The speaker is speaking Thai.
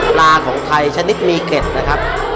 ของไทยชนิดมีเกร็ดนะครับ